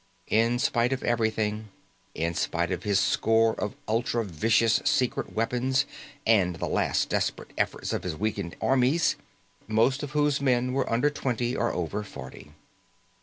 In spite of everything; in spite of his score of ultra vicious secret weapons and the last desperate efforts of his weakened armies, most of whose men were under twenty or over forty.